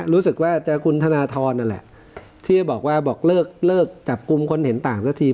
รู้สึกว่าจะคุณธนทรนั่นแหละที่จะบอกว่าบอกเลิกจับกลุ่มคนเห็นต่างสักที